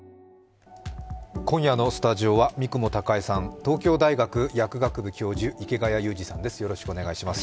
今夜のスタジオは三雲孝江さん、東京大学薬学部教授池谷裕二さんです。